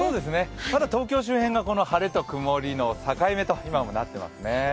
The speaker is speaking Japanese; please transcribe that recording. ただ、東京周辺が晴れと曇りの境目と今もなっていますね。